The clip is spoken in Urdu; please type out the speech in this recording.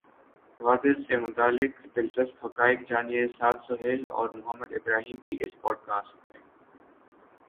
وادر سے متعلق دلچسپ حقائق جانیے سعد سہیل اور محمد ابراہیم کی اس پوڈکاسٹ میں